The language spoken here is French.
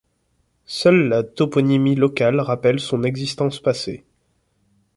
Seule la toponymie locale rappelle son existence passée.